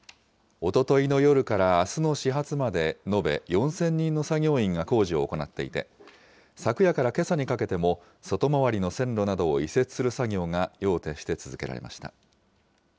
おとといの夜からあすの始発まで、延べ４０００人の作業員が工事を行っていて、昨夜からけさにかけても外回りの線路などを移設する作業が夜を徹して続けられました。